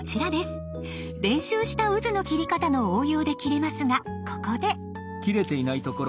練習したうずの切り方の応用で切れますがここで。